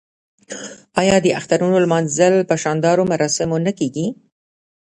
آیا د اخترونو لمانځل په شاندارو مراسمو نه کیږي؟